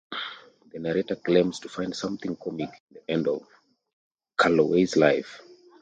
The narrator claims to find something comic in the end of Calloway's life.